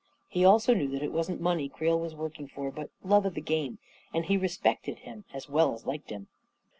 He also knew that it wasn't money Creel was working for, but love of the game, and he re spected him as well as liked him.